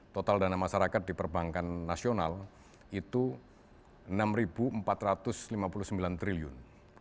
total dana masyarakat di perbankan nasional itu rp enam empat ratus lima puluh sembilan triliun